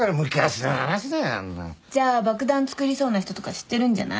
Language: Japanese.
じゃあ爆弾作りそうな人とか知ってるんじゃない？